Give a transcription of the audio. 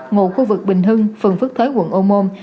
ngụ khu vực bình hưng phường phước thới quận ô môn